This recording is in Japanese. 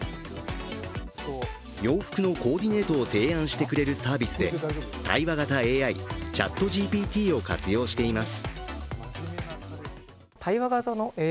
洋服のコーディネートを提案してくれるサービスで、対話型ＡＩ、ＣｈａｔＧＰＴを活用しています。